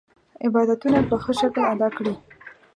عبادتونه په ښه شکل ادا کړي.